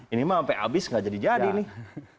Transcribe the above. ini mah sampai habis gak jadi jadi nih